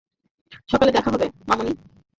সকালে দেখা হবে, মামণি।